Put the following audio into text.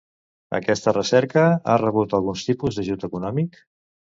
Aquesta recerca ha rebut algun tipus d'ajut econòmic?